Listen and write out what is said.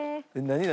何？